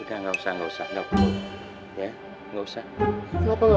terima kasih pak ustaz